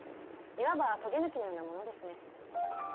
いわばとげ抜きのようなものですね。